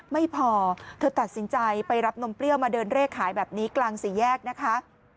ไม่พอเธอตัดสินใจไปรับนมเปรี้ยวมาเดินเร่ขายแบบนี้กลางสี่แยกนะคะ